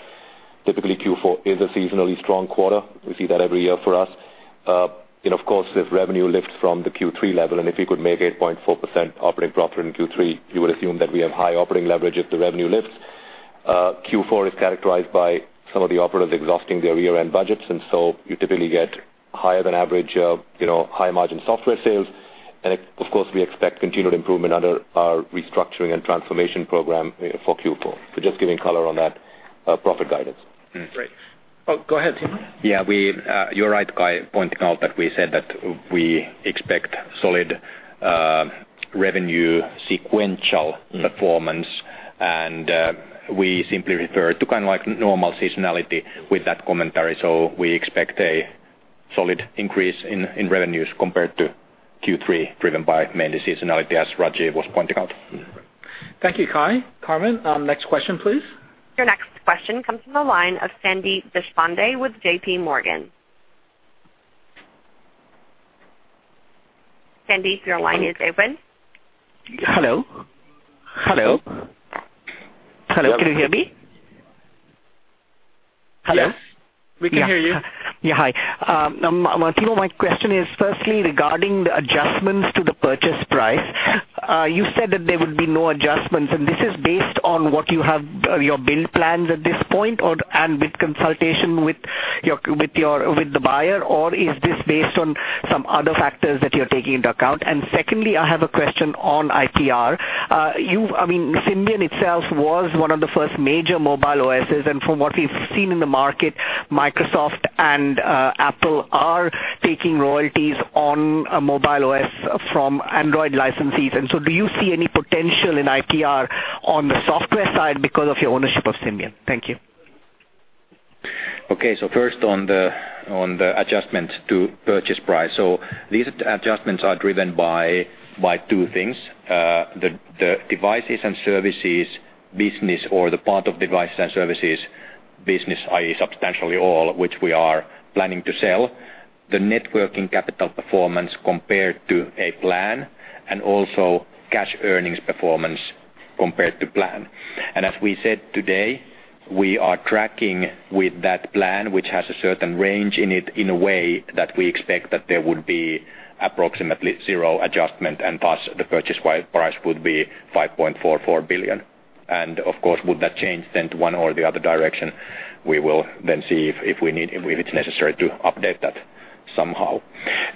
typically, Q4 is a seasonally strong quarter. We see that every year for us. Of course, if revenue lifts from the Q3 level, and if you could make 8.4% operating profit in Q3, you would assume that we have high operating leverage if the revenue lifts. Q4 is characterized by some of the operators exhausting their year-end budgets, and so you typically get higher-than-average, high-margin software sales. And of course, we expect continued improvement under our restructuring and transformation program for Q4. Just giving color on that profit guidance. Great. Oh, go ahead, Timo. Yeah, you're right, Kai, pointing out that we said that we expect solid revenue sequential performance, and we simply referred to kind of like normal seasonality with that commentary. So we expect a solid increase in revenues compared to Q3 driven by mainly seasonality, as Rajeev was pointing out. Thank you, Kai. Carmen, next question, please. Your next question comes from the line of Sandeep Deshpande with J.P. Morgan. Sandeep, your line is open. Hello? Hello? Hello? Can you hear me? Hello? Yes, we can hear you. Yeah, hi. Timo, my question is, firstly, regarding the adjustments to the purchase price. You said that there would be no adjustments, and this is based on what you have your build plans at this point and with consultation with the buyer, or is this based on some other factors that you're taking into account? And secondly, I have a question on IPR. I mean, Symbian itself was one of the first major mobile OSs, and from what we've seen in the market, Microsoft and Apple are taking royalties on a mobile OS from Android licensees. And so do you see any potential in IPR on the software side because of your ownership of Symbian? Thank you. Okay, so first on the adjustments to purchase price. So these adjustments are driven by two things: the devices and services business or the part of devices and services business, i.e., substantially all, which we are planning to sell, the net working capital performance compared to a plan, and also cash earnings performance compared to plan. And as we said today, we are tracking with that plan, which has a certain range in it in a way that we expect that there would be approximately zero adjustment, and thus the purchase price would be $5.44 billion. And of course, would that change then to one or the other direction? We will then see if it's necessary to update that somehow.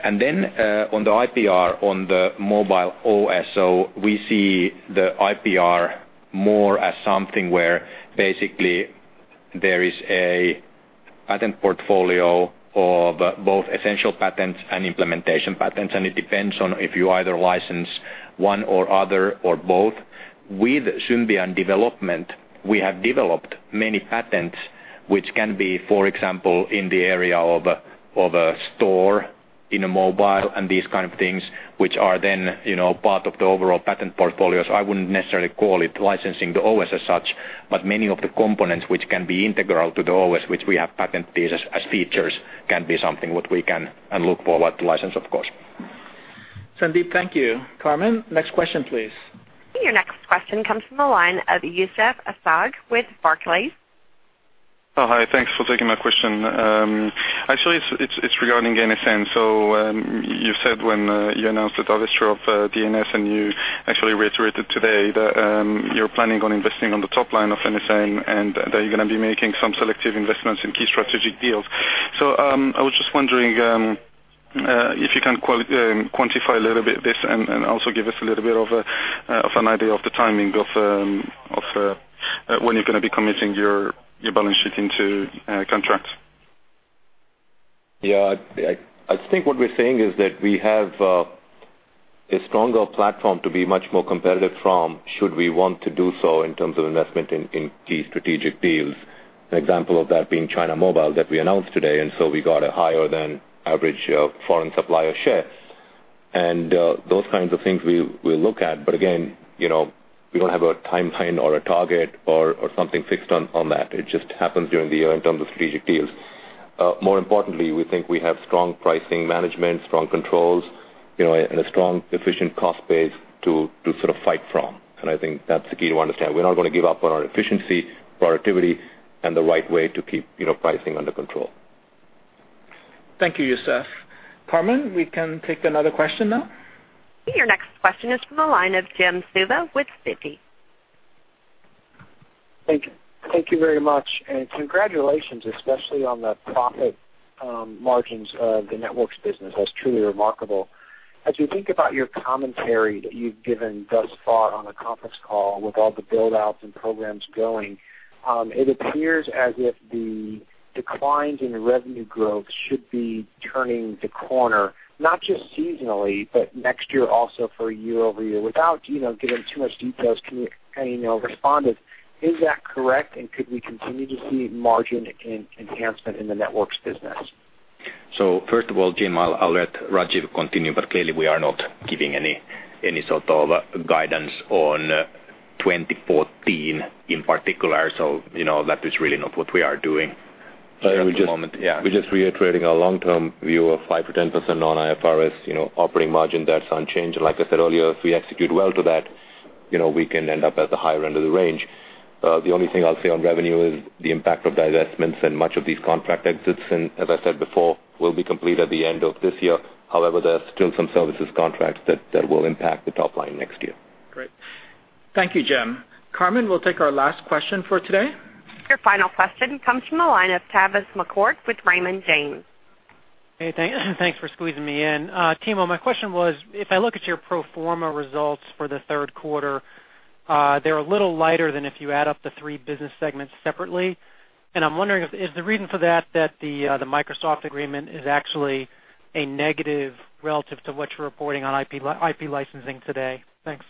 And then on the IPR, on the mobile OS, so we see the IPR more as something where basically there is a patent portfolio of both essential patents and implementation patents, and it depends on if you either license one or other or both. With Symbian development, we have developed many patents, which can be, for example, in the area of a store in a mobile and these kind of things, which are then part of the overall patent portfolios. I wouldn't necessarily call it licensing the OS as such, but many of the components which can be integral to the OS, which we have patented as features, can be something what we can look forward to license, of course. Sandeep, thank you. Carmen, next question, please. Your next question comes from the line of Yusuf Zaki with Barclays. Hi, thanks for taking my question. Actually, it's regarding NSN. So you said when you announced the acquisition of NSN, and you actually reiterated today that you're planning on investing on the top line of NSN and that you're going to be making some selective investments in key strategic deals. So I was just wondering if you can quantify a little bit this and also give us a little bit of an idea of the timing of when you're going to be committing your balance sheet into contracts. Yeah, I think what we're saying is that we have a stronger platform to be much more competitive from, should we want to do so, in terms of investment in key strategic deals. An example of that being China Mobile that we announced today, and so we got a higher-than-average foreign supplier share. And those kinds of things we'll look at. But again, we don't have a timeline or a target or something fixed on that. It just happens during the year in terms of strategic deals. More importantly, we think we have strong pricing management, strong controls, and a strong, efficient cost base to sort of fight from. And I think that's the key to understand. We're not going to give up on our efficiency, productivity, and the right way to keep pricing under control. Thank you, Yusuf. Carmen, we can take another question now. Your next question is from the line of Jim Suva with Citi. Thank you very much, and congratulations, especially on the profit margins of the networks business. That's truly remarkable. As we think about your commentary that you've given thus far on the conference call with all the build-outs and programs going, it appears as if the declines in revenue growth should be turning the corner, not just seasonally, but next year also for year over year. Without giving too much details, can you respond if is that correct, and could we continue to see margin enhancement in the networks business? First of all, Jim, I'll let Rajeev continue, but clearly, we are not giving any sort of guidance on 2014 in particular, so that is really not what we are doing at the moment. Yeah. We're just reiterating our long-term view of 5%-10% non-IFRS operating margin. That's unchanged. And like I said earlier, if we execute well to that, we can end up at the higher end of the range. The only thing I'll say on revenue is the impact of the investments and much of these contract exits, and as I said before, will be complete at the end of this year. However, there are still some services contracts that will impact the top line next year. Great. Thank you, Jim. Carmen, we'll take our last question for today. Your final question comes from the line of Tavis McCourt with Raymond James. Hey, thanks for squeezing me in. Timo, my question was, if I look at your pro forma results for the third quarter, they're a little lighter than if you add up the three business segments separately. And I'm wondering, is the reason for that that the Microsoft agreement is actually a negative relative to what you're reporting on IP licensing today? Thanks.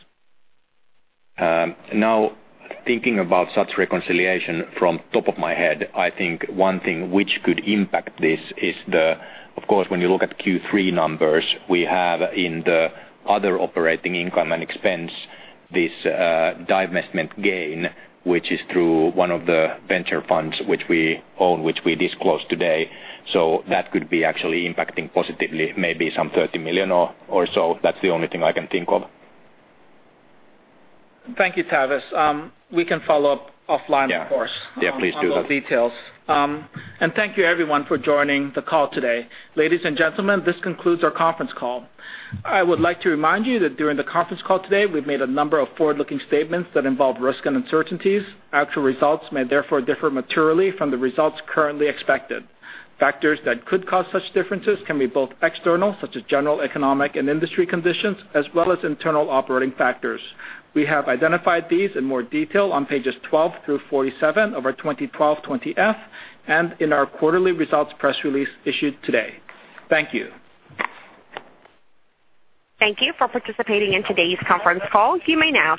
Now, thinking about such reconciliation from top of my head, I think one thing which could impact this is the, of course, when you look at Q3 numbers, we have in the other operating income and expense this divestment gain, which is through one of the venture funds which we own, which we disclosed today. So that could be actually impacting positively, maybe some 30 million or so. That's the only thing I can think of. Thank you, Tavis. We can follow up offline, of course. Yeah, please do that. On all the details. Thank you, everyone, for joining the call today. Ladies and gentlemen, this concludes our conference call. I would like to remind you that during the conference call today, we've made a number of forward-looking statements that involve risk and uncertainties. Actual results may therefore differ materially from the results currently expected. Factors that could cause such differences can be both external, such as general economic and industry conditions, as well as internal operating factors. We have identified these in more detail on pages 12 through 47 of our 2012 20-F and in our quarterly results press release issued today. Thank you. Thank you for participating in today's conference call. You may now.